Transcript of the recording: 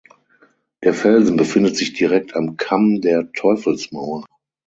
Der Felsen befindet sich direkt am Kamm der Teufelsmauer.